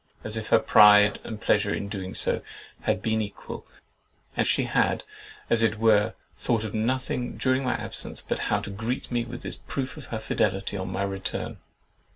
—as if her pride and pleasure in doing so had been equal, and she had, as it were, thought of nothing during my absence but how to greet me with this proof of her fidelity on my return.